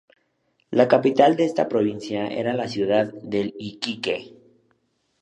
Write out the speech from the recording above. La capital de esta provincia era la ciudad de Iquique.